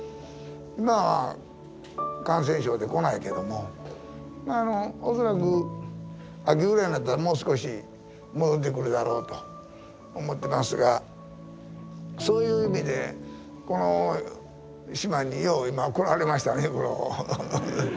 今は感染症で来ないけどもまあ恐らく秋ぐらいになったらもう少し戻ってくるだろうと思ってますがそういう意味でこの島によう今来られましたね。